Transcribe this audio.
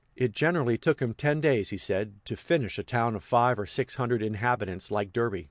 It generally took him ten days, he said, to "finish" a town of five or six hundred inhabitants, like Derby.